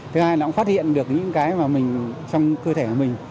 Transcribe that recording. thứ hai là cũng phát hiện được những cái trong cơ thể của mình